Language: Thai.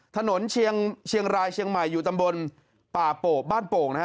ถนนเชียงรายเชียงใหม่อยู่ตำบลป่าโป่งบ้านโป่งนะฮะ